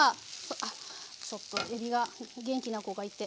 あっちょっとえびが元気な子がいて。